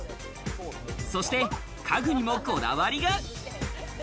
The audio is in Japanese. そして、家具にもこだわりが。